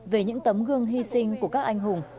về những tấm gương hy sinh của các anh hùng